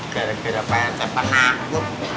gara gara pak rt penanggung